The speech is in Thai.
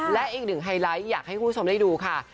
และอีกหนึ่งไฮไลท์อยากให้คุณผู้ชมได้ดูค่ะ